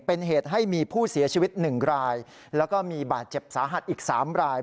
เป็นเหตุให้มีผู้เสียชีวิต๑รายแล้วก็มีบาดเจ็บสาหัสอีก๓ราย